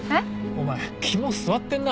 お前肝据わってんな。